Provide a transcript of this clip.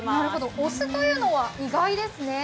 お酢というのは意外ですね。